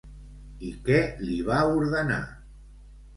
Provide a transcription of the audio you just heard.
I què li va ordenar?